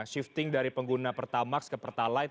shifting dari pengguna pertamaks ke pertalat